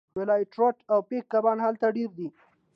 والای ټراوټ او پایک کبان هلته ډیر دي